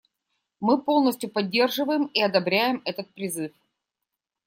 Мы полностью поддерживаем и одобряем этот призыв.